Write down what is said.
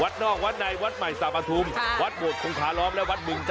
วัดนอกวัดในวัดใหม่สรรพธุมวัดโบดของขาล้อมและวัดบึงจ้ะ